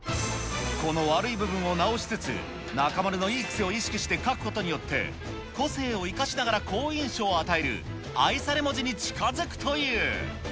この悪い部分を直しつつ、中丸のいい癖を意識して書くことによって、個性を生かしながら好印象を与える、愛され文字に近づくという。